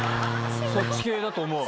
そっち系だと思う。